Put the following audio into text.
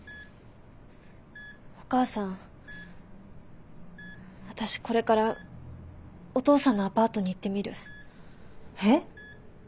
お母さん私これからお父さんのアパートに行ってみる。